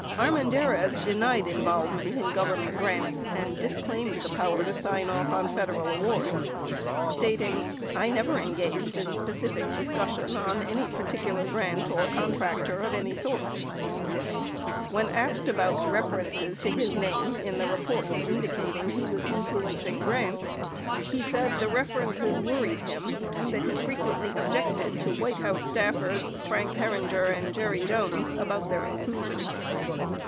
73 Armendariz denied involvement in Government grants and dis claimed the power to sign off on Federal awards, stating "I never en gaged in specific discussion on any particular grant or contractor of any sorts." 74 When asked about references to his name in reports indi cating he was influencing grants, he said the references "worried" him and that he frequently objected to White House staffers Frank Her ringer and Jerry J ones about their inclusion.